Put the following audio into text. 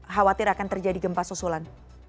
khawatir akan terjadi gempa susulan